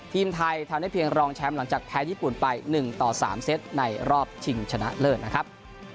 ทีมไทยทำได้เพียงรองแชมป์หลังจากแพ้ญี่ปุ่นไป๑ต่อ๓เซตในรอบชิงชนะเลิศนะครับ